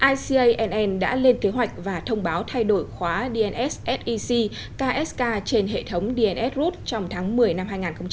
icann đã lên kế hoạch và thông báo thay đổi khóa dnssec ksk trên hệ thống dns root trong tháng một mươi năm hai nghìn một mươi bảy